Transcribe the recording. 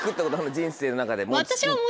人生の中で。